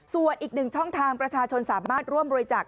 ส่วนอีกหนึ่งช่องทางประชาชนสามารถร่วมบริจาค